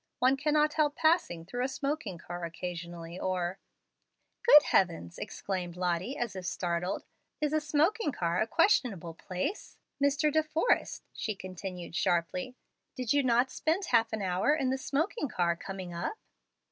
One cannot help passing through a smoking car occasionally, or " "Good heavens!" exclaimed Lottie, as if startled. "Is a smoking car a 'questionable place'? Mr. De Forrest," she continued sharply, "did you not spend half an hour in the smoking car coming up?"